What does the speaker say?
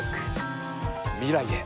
未来へ。